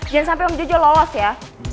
jangan sampai om jojo lolos ya